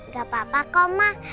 gak apa apa koma